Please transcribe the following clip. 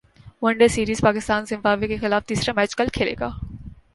one day سیریزپاکستان Zimbabwe کیخلاف تیسرا match کل کھیلے گا